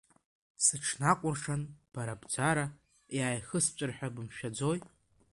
Сыҽнакәыршан бара бӡара, иааихысҵәар ҳәа бымшәаӡои.